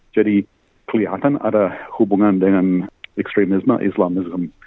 jadi kelihatan ada hubungan dengan ekstremisme islamisme